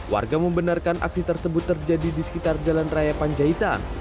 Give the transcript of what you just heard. warga membenarkan aksi tersebut terjadi di sekitar jalan raya panjaitan